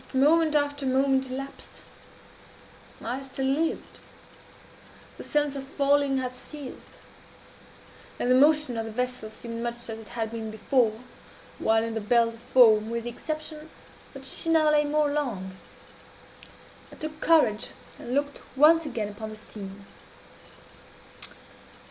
But moment after moment elapsed. I still lived. The sense of falling had ceased; and the motion of the vessel seemed much as it had been before, while in the belt of foam, with the exception that she now lay more along. I took courage and looked once again upon the scene.